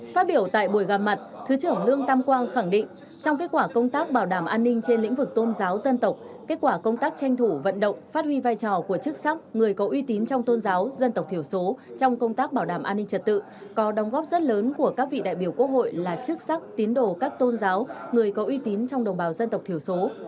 phát biểu tại buổi gặp mặt thứ trưởng lương tam quang khẳng định trong kết quả công tác bảo đảm an ninh trên lĩnh vực tôn giáo dân tộc kết quả công tác tranh thủ vận động phát huy vai trò của chức sắc người có uy tín trong tôn giáo dân tộc thiểu số trong công tác bảo đảm an ninh trật tự có đồng góp rất lớn của các vị đại biểu quốc hội là chức sắc tín đồ các tôn giáo người có uy tín trong đồng bào dân tộc thiểu số